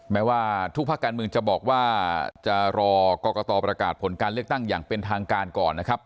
แม้ว่าทุกภาคการเมืองจะบอกว่าจะรอกรกตประกาศผลการเลือกตั้งอย่างเป็นทางการก่อนนะครับ